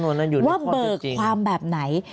ว่าเบิกความแบบไหน